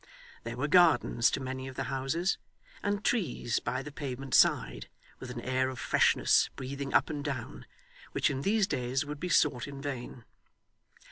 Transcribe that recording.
There were gardens to many of the houses, and trees by the pavement side; with an air of freshness breathing up and down, which in these days would be sought in vain.